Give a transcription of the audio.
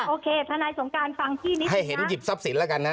ทนายสงการฟังพี่นิดให้เห็นหยิบทรัพย์สินแล้วกันนะ